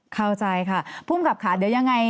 เข้าใจค่ะภูมิกับค่ะเดี๋ยวยังไง